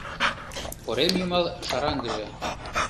Корем йымал шараҥгыже